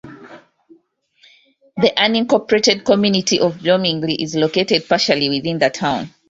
The unincorporated community of Bloomingdale is located partially within the town.